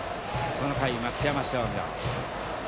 この回松山商業